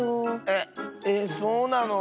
えっえそうなの？